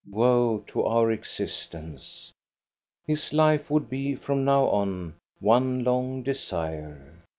Woe to our existence! His life would be, from now on, one long desire.